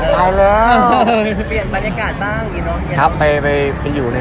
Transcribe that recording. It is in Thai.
ตายแล้วเปลี่ยนบรรยากาศบ้างอีกเนอะครับไปไปไปอยู่ใน